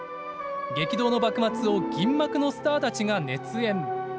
激動の幕末を銀幕のスターたちが熱演。